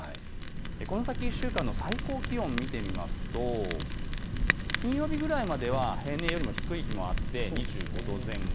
この先１週間の最高気温を見てみますと、金曜日くらいまでは平年よりも低い日もあって２５度前後。